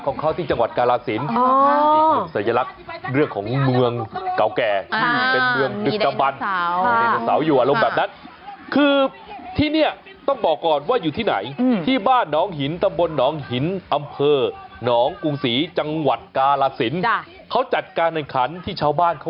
ออกแล้วแล้วเขาจะพูดสบ